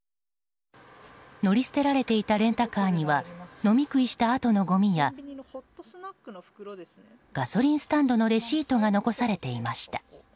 乗り捨てられていたレンタカーには飲み食いしたあとのごみやガソリンスタンドのレシートが残されていました。